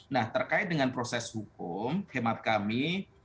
nah terkait dengan proses hukum hemat kami